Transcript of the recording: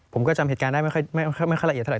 ผมก็จำเหตุการณ์ได้ไม่ค่อยละเอียดเท่าไ